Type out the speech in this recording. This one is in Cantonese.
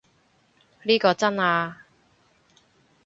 呢個真啊